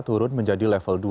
turun menjadi level dua